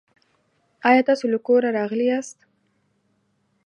آیا تاسو له کوره راغلي یاست؟